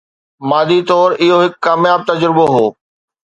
مادي طور اهو هڪ ڪامياب تجربو هو